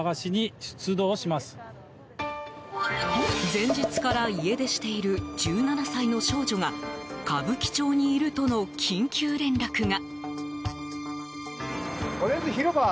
前日から家出している１７歳の少女が歌舞伎町にいるとの緊急連絡が。